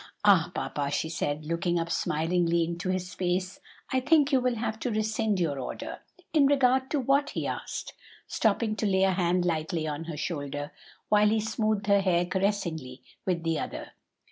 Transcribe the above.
"Ah, papa," she said, looking up smilingly into his face, "I think you will have to rescind your order." "In regard to what?" he asked, stopping to lay a hand lightly on her shoulder, while he smoothed her hair caressingly with the other.